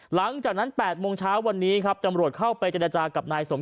หลังจากนั้น๘โมงเช้าวันนี้ครับจำรวจเข้าไปเจรจากับนายสม